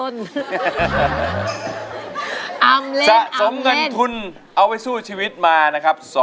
สำเงินทุนเอาไว้สู้ชีวิตมานะครับ